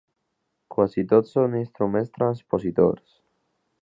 Quasi tots són instruments transpositors.